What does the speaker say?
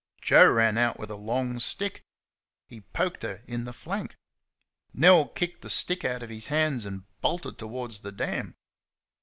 Joe ran out with a long stick. He poked her in the flank. Nell kicked the stick out of his hands and bolted towards the dam.